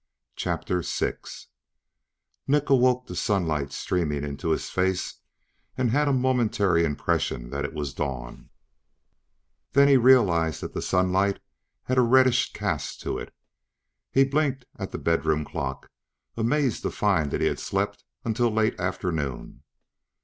CHAPTER SIX Nick awoke to sunlight streaming into his face and had a momentary impression that it was dawn; then he realized that the sunlight had a reddish cast to it. He blinked at the bedroom clock, amazed to find that he had slept until late afternoon.